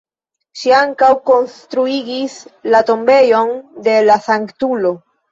Ŝi ankaŭ konstruigis la tombejon de la sanktulo.